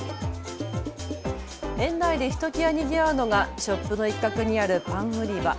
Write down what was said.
園内でひときわにぎわうのがショップの一角にあるパン売り場。